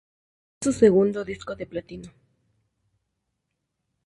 Fue su segundo Disco de platino.